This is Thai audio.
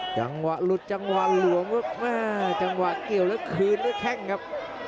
จังหวะหลุดจังหวะหลวมครับแม่จังหวะเกี่ยวแล้วคืนด้วยแข้งครับ